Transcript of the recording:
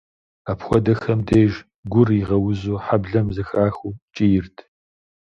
Апхуэдэхэм деж, гур игъэузу, хьэблэм зэхахыу кӏийрт.